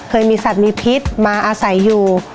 เคยมีสัตว์มีพิษมาอาศัยอยู่